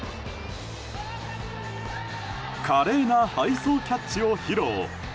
華麗な背走キャッチを披露。